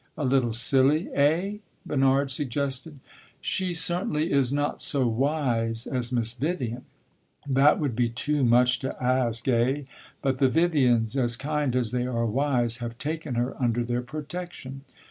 "A little silly, eh?" Bernard suggested. "She certainly is not so wise as Miss Vivian." "That would be too much to ask, eh? But the Vivians, as kind as they are wise, have taken her under their protection."